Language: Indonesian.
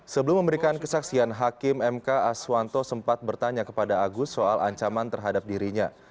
sebelum memberikan kesaksian hakim mk aswanto sempat bertanya kepada agus soal ancaman terhadap dirinya